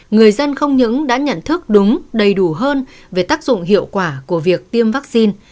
người dân không những đã nhận thức đúng đầy đủ hơn về tác dụng hiệu quả của việc tiêm vaccine